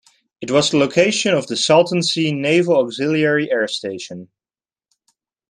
It was the location of the Salton Sea Naval Auxiliary Air Station.